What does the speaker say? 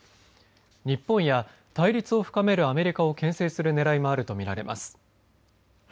日本や対立を深めるアメリカをけん制するねらいもあると見られます。